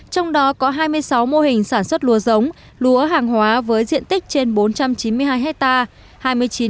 trong đó có hai mươi sáu mô hình sản xuất lúa giống lúa hàng hóa với diện tích trên bốn trăm chín mươi hai hectare